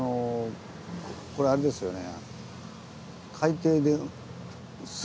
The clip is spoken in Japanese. これはあれですよね。